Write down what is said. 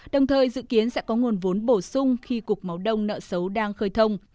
đồng thời dự kiến sẽ có nguồn vốn bổ sung khi cục máu đông nợ xấu đang khơi thông